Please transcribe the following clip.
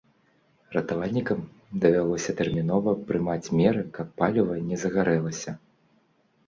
Ратавальнікам давялося тэрмінова прымаць меры, каб паліва не загарэлася.